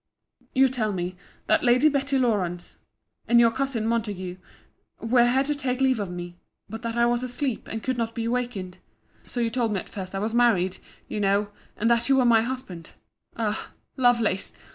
You tell me, that Lady Betty Lawrance, and your cousin Montague, were here to take leave of me; but that I was asleep, and could not be waked. So you told me at first I was married, you know, and that you were my husband—Ah! Lovelace!